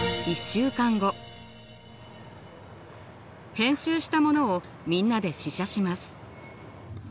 編集したものをみんなで試写します。